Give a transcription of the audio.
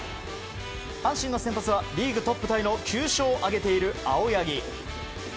阪神の先発はリーグトップタイの９勝を挙げている青柳。